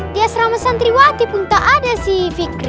di asrama santriwati pun gak ada fikri